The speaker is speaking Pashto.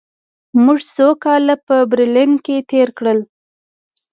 موږ څو کاله په برلین کې تېر کړل